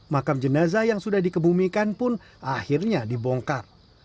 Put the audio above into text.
makam jenazah yang sudah dikebumikan pun akhirnya dibongkar